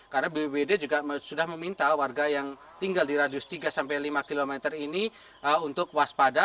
karena bpbd juga sudah meminta warga yang tinggal di radius tiga sampai lima km ini untuk waspada